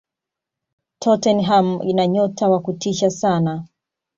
tottenham ina nyota wa kutisha sana